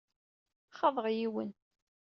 Xaḍeɣ yiwen.